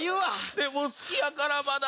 でも好きやからまだ。